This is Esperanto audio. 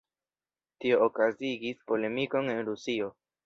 Tio okazigis polemikon en Rusio.